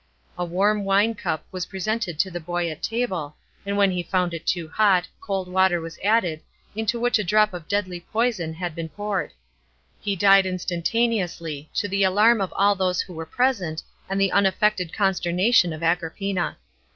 A warm wine cup was presented to the boy at table, and when he found it too hot, cold water was added, into which a drop of deadly poison had been poured. He died instantaneously, to the alarm of all those who were present, and the unaffected consternation of Agrippina.